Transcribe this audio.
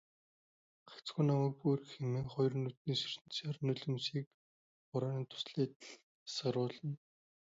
"Гагцхүү намайг бүү орхи" хэмээн хоёр нүднээсээ ертөнцийн хар нулимсыг борооны дусал адил асгаруулна.